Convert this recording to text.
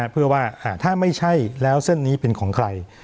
เพื่อว่าถ้าไม่ใช่แล้วเส้นนี้เป็นของใคร